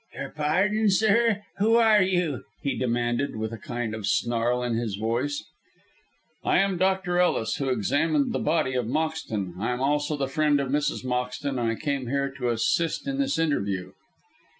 "Your pardon, sir, who are you?" he demanded, with a kind of snarl in his voice. "I am Dr. Ellis, who examined the body of Moxton. I am also the friend of Mrs. Moxton, and I came here to assist in this interview."